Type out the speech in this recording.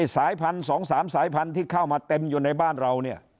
สายพันธุ์๒๓สายพันธุ์ที่เข้ามาเต็มอยู่ในบ้านเราเนี่ย